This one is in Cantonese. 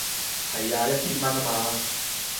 係啊，一千蚊吖嘛